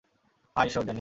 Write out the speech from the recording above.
হায় ঈশ্বর, ড্যানি।